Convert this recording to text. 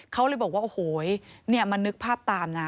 เขาเลยบอกว่าโอ้โหเนี่ยมันนึกภาพตามนะ